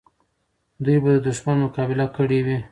دوی به د دښمن مقابله کړې وي.